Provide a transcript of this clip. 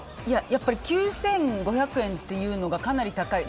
やっぱり９５００円というのがかなり高い。